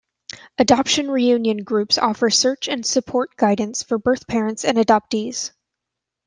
Adoption Reunion groups offer search and support guidance for birth parents and adoptees.